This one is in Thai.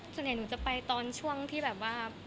ส่วนใหญ่หนูจะไปตอนช่วงที่แบบว่า